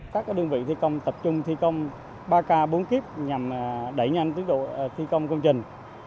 các đơn vị thi công tập trung thi công ba k bốn kip nhằm đẩy nhanh tiến độ thi công công trình